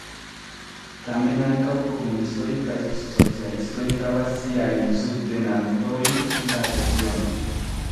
Tamen ankaŭ komunistoj kaj socialistoj havas siajn subtenantojn en la regiono.